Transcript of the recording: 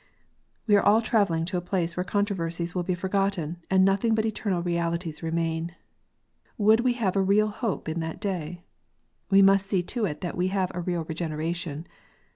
We are all travelling to a place where controversies will be forgotten, and nothing but eternal realities remain. Would we have a real hope in that day ? We must see to it that we have a real Regeneration.